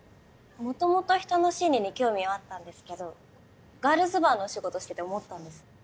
もともと人の心理に興味はあったんですけどガールズバーのお仕事してて思ったんです。